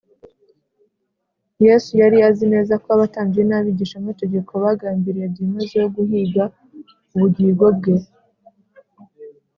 yesu yari azi neza ko abatambyi n’abigishamategeko bagambiriye byimazeyo guhiga ubugigo bwe ;